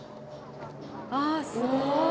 ああすごい！